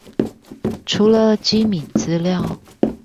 除了機敏資料